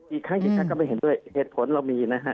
อีกครั้งก็ไม่เห็นด้วยเหตุผลเรามีนะฮะ